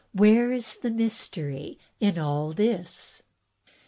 Where is the mystery in all this?